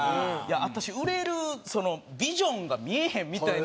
「私売れるビジョンが見えへん」みたいな。